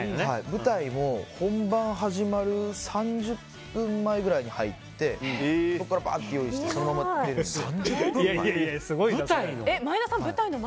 舞台も、本番始まる３０分前ぐらいに入ってそこから、ばーっと用意してそのまま出るので。